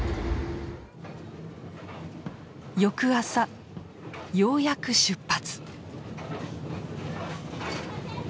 翌朝ようやく出発。